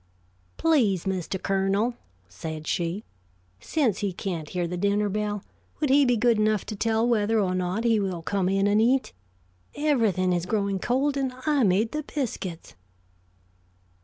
"Please, Mr. Colonel," said she, "since he can't hear the dinner bell, would he be good enough to tell whether or not he will come in and eat? Everything is growing cold; and I made the biscuits."